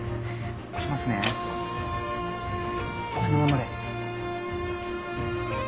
そのままで。